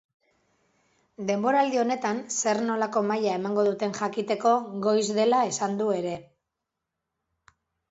Denboraldi honetan zer nolako maila emango duten jakiteko goiz dela esan du ere.